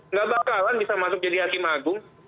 nggak bakalan bisa masuk jadi hakim agung